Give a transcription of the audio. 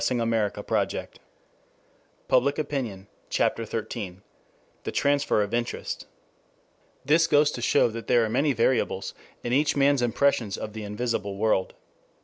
LEADERS AND THE RANK AND FILE CHAPTER XIII THE TRANSFER OF INTEREST This goes to show that there are many variables in each man's impressions of the invisible world.